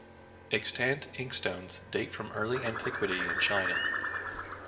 Extant inkstones date from early antiquity in China.